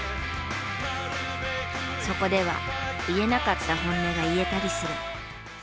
そこでは、言えなかった本音が言えたりする。